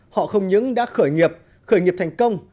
họ không những đã khởi nghiệp khởi nghiệp thành công